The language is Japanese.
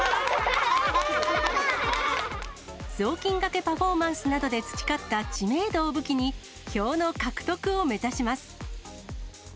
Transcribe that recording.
雑巾がけパフォーマンスなどで培った知名度を武器に、票の獲得を目指します。